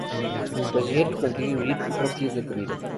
Mientras Jerry consigue huir, Rocky es detenido.